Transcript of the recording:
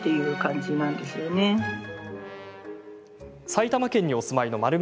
埼玉県にお住まいのまる